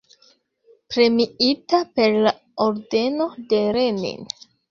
Premiita per la ordeno de Lenin.